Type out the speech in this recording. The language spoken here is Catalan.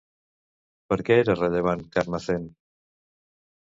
Per què era rellevant Carmarthen?